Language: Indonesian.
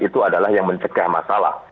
itu adalah yang mencegah masalah